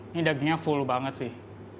ini dagingnya full banget sih